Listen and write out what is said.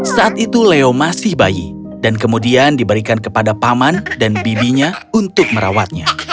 saat itu leo masih bayi dan kemudian diberikan kepada paman dan bibinya untuk merawatnya